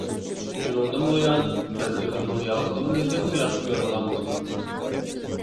شۇنىڭدىن بۇيان، مەن ئۆزۈمنىڭ ياغلىقىمنى تېخىمۇ ياخشى كۆرىدىغان بولدۇم.